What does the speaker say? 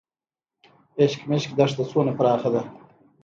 اشکمش دښته څومره پراخه ده؟